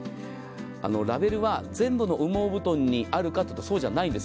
ラベルは全部の羽毛布団にあるかと言ったら、そうじゃないんです。